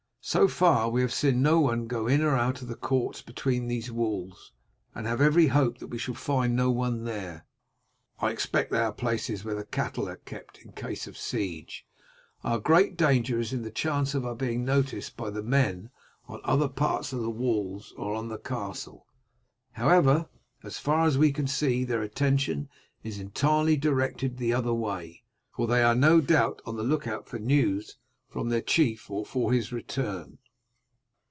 "So far we have seen no one go in or out of the courts between these walls, and have every hope that we shall find no one there. I expect they are places where the cattle are kept in case of siege. Our great danger is in the chance of our being noticed by men on other parts of the walls or on the castle. However, as far as we can see their attention is entirely directed the other way, for they are no doubt on the look out for news from their chief or for his return.